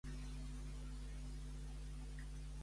En un primer moment, va portar una vida austera?